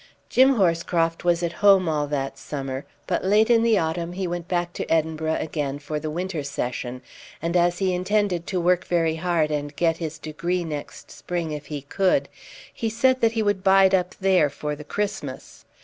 Jim Horscroft was at home all that summer, but late in the autumn he went back to Edinburgh again for the winter session, and as he intended to work very hard and get his degree next spring if he could, he said that he would bide up there for the Christmas.